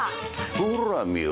ほら見ろ。